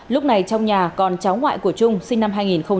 lúc này trong nhà còn cháu ngoại của trung sinh năm hai nghìn một mươi